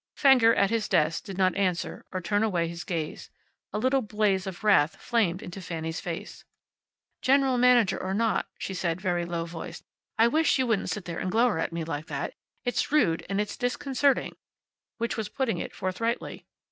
Fenger, at his desk, did not answer, or turn away his gaze. A little blaze of wrath flamed into Fanny's face. "General manager or not," she said, very low voiced, "I wish you wouldn't sit and glower at me like that. It's rude, and it's disconcerting," which was putting it forthrightly.